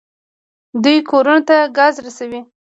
دوی کورونو ته ګاز رسوي.